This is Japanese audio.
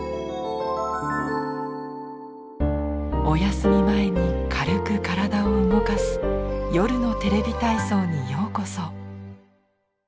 お休み前に軽く体を動かす「夜のテレビ体操」にようこそ。